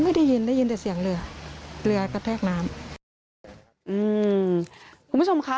ไม่ได้ยินได้ยินแต่เสียงเรือเรือกระแทกน้ำอืมคุณผู้ชมค่ะ